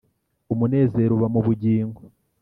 umunezero uba mubugingo.